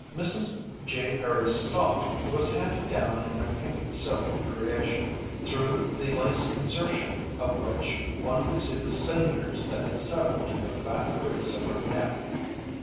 Mrs. J. Harry Stott was handed down in a pink silk creation, through the lace insertion of which one could see the cinders that had settled in the fat crease of her neck.